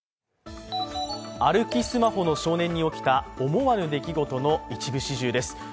歩きスマホの少年に起きた思わぬ出来事の一部始終です。